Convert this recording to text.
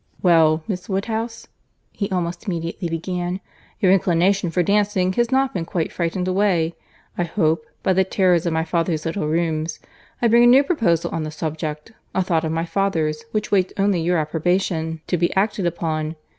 "Well, Miss Woodhouse," he almost immediately began, "your inclination for dancing has not been quite frightened away, I hope, by the terrors of my father's little rooms. I bring a new proposal on the subject:—a thought of my father's, which waits only your approbation to be acted upon.